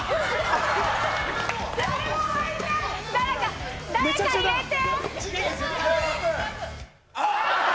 誰か、誰か入れて！